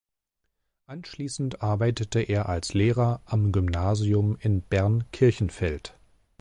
Anschliessend arbeitete er als Lehrer am Gymnasium in Bern-Kirchenfeld.